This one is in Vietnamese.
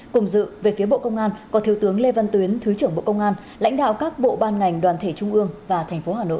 cùng dự về phía bộ công an có thiếu tướng lê văn tuyến thứ trưởng bộ công an lãnh đạo các bộ ban ngành đoàn thể trung ương và thành phố hà nội